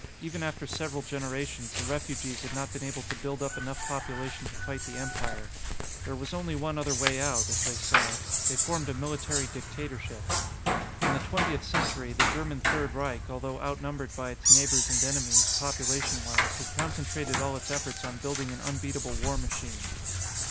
Even after several generations, the refugees had not been able to build up enough population to fight the Empire. There was only one other way out, as they saw it. They formed a military dictatorship. In the Twentieth Century, the German Third Reich, although outnumbered by its neighbors and enemies, populationwise, had concentrated all its efforts on building an unbeatable war machine.